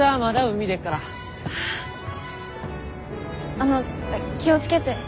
あの気を付けで。